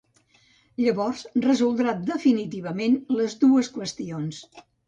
Llavors resoldrà definitivament les dues qüestions.